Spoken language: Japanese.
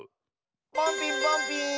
ポンピーンポンピーン！